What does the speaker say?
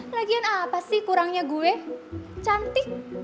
lagian apa sih kurangnya gue cantik